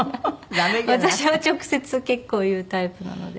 私は直接結構言うタイプなので。